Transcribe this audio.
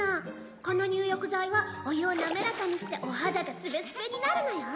この入浴剤はお湯をなめらかにしてお肌がスベスベになるのよ！